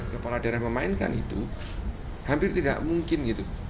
kepala daerah memainkan itu hampir tidak mungkin gitu